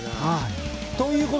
はい。